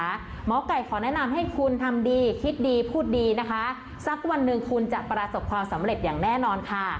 หมอไก่ขอแนะนำให้คุณทำดีคิดดีพูดดีนะคะสักวันหนึ่งคุณจะประสบความสำเร็จอย่างแน่นอนค่ะ